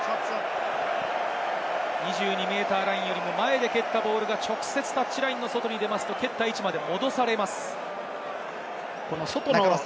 ２２ｍラインよりも前で蹴ったボールが直接タッチラインの外に出ると蹴った位置まで戻されます。